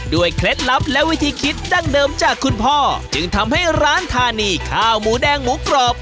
เคล็ดลับและวิธีคิดดั้งเดิมจากคุณพ่อจึงทำให้ร้านธานีข้าวหมูแดงหมูกรอบ